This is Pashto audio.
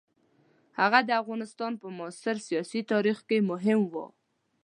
هغه د افغانستان په معاصر سیاسي تاریخ کې مهم وو.